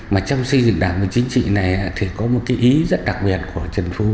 mà trong xây dựng đảng và chính trị này thì có một cái ý rất đặc biệt của trần phú